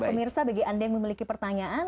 pemirsa bagi anda yang memiliki pertanyaan